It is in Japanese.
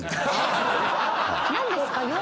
何ですか？